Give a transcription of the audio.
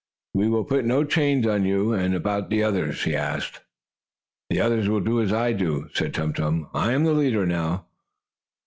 "We will put no chains on you. And about the others?" he asked. "The others will do as I do," said Tum Tum. "I am the leader now."